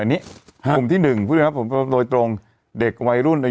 นี่คุณอ่านหน่อยอันนี้